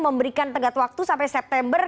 memberikan tenggat waktu sampai september